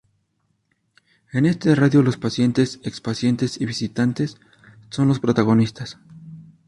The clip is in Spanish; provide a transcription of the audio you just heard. En esta radio los pacientes, ex-pacientes y visitantes son los protagonistas.